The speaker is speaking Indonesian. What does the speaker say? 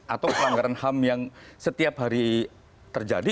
atau pelanggaran ham yang setiap hari terjadi